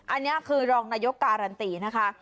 อันนี้คือรองนายกการันตีนะคะ